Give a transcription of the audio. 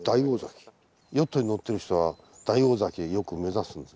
ヨットに乗ってる人は大王崎よく目指すんです。